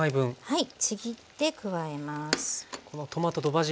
はい。